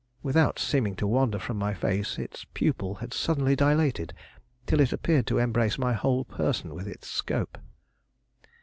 Without seeming to wander from my face, its pupil had suddenly dilated till it appeared to embrace my whole person with its scope.